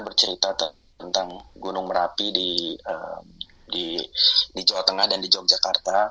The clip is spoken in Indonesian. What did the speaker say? bercerita tentang gunung merapi di jawa tengah dan di jogjakarta